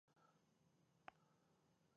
زه له وخت څخه ښه استفاده کوم.